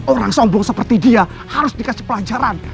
orang sombong seperti dia harus dikasih pelajaran